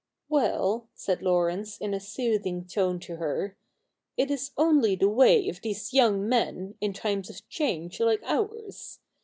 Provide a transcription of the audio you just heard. ' Well,' said Laurence in a soothing tone to her, ' it is only the way of these young men in times of change like ours.